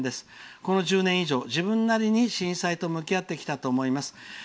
この１０年以上、自分なりに震災と向き合ってきたと思います。